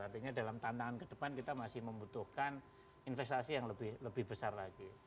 artinya dalam tantangan ke depan kita masih membutuhkan investasi yang lebih besar lagi